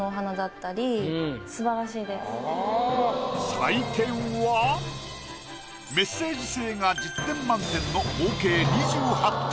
採点はメッセージ性が１０点満点の合計２８点。